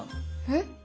えっ？